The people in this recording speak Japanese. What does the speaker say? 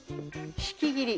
引き切り。